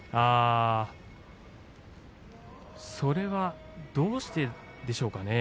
それはどうしてですか。